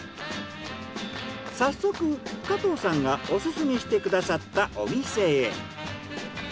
早速加藤さんがオススメしてくださったお店へ。